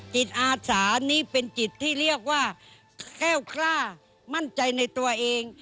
จิตอาสานี่เป็นจิตที่เรียกว่าแก้วคล่ามั่นใจในตัวเอง